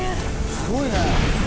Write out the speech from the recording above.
すごいね。